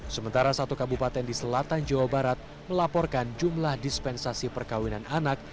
sementara satu kabupaten di selatan jawa barat melaporkan jumlah dispensasi perkawinan anak